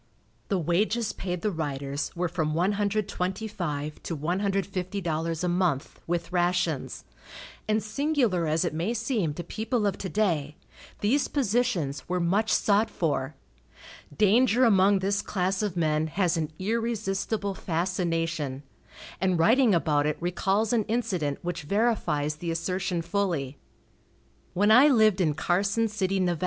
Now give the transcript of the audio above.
The wages paid the riders were from $125 to $150 a month, with rations, and singular as it may seem to people of to day, these positions were much sought for. Danger among this class of men has an irresistible fascination, and writing about it recalls an incident which verifies the assertion fully. When I lived in Carson City, Nev.